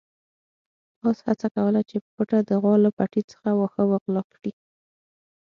اس هڅه کوله چې په پټه د غوا له پټي څخه واښه وغلا کړي.